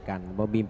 kami pers changed